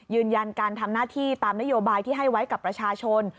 ยืนยันการทำหน้าที่ตามนโยบายที่ให้ไว้กับประชาชน